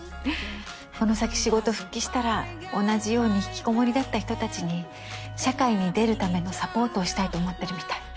この先仕事復帰したら同じように引きこもりだった人たちに社会に出るためのサポートをしたいと思ってるみたい。